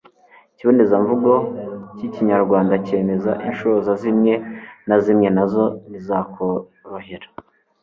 ikibonezamvugo k'ikinyarwanda kemeza. inshoza zimwe na zimwe na zo ntizakorohera